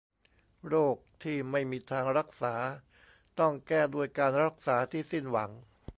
โรคที่ไม่มีทางรักษาต้องแก้ด้วยการรักษาที่สิ้นหวัง